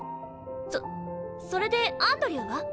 そそれでアンドリューは？